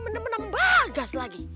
demen demen embagas lagi